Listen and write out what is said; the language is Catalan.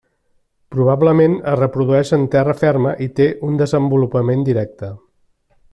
Probablement es reprodueix en terra ferma i té un desenvolupament directe.